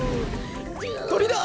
とりだ！